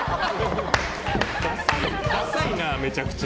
ダサいなめちゃくちゃ。